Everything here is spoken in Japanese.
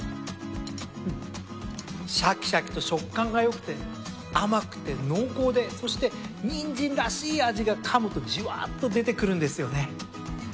シャキシャキと食感が良くて甘くて濃厚でそしてニンジンらしい味がかむとジュワーと出てくるんですよね。